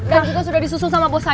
dan juga sudah disusun sama bos saya